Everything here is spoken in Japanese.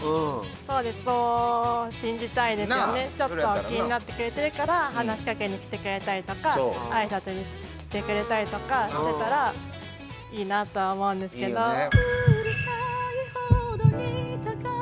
そうですちょっとは気になってくれてるから話しかけに来てくれたりとかあいさつに来てくれたりとかしてたらいいなとは思うんですけどいいよね